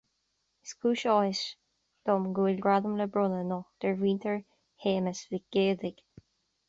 Is cúis áthais dom go bhfuil Gradam le bronnadh anocht ar Mhuintir Shéamuis Mhic Géidigh